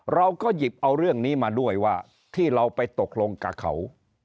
เราก็หยิบเอาเรื่องนี้มาด้วยว่าที่เราไปตกลงกับเขา